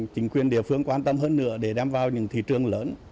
chính quyền địa phương quan tâm hơn nữa để đem vào những thị trường lớn